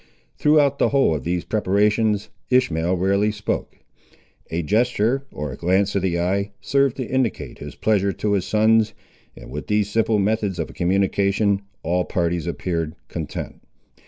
Throughout the whole of these preparations Ishmael rarely spoke. A gesture, or a glance of the eye, served to indicate his pleasure to his sons, and with these simple methods of communication, all parties appeared content.